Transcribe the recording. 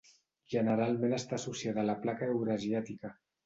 Generalment està associada a la placa eurasiàtica.